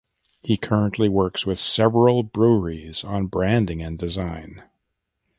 He currently works with several breweries on branding and design.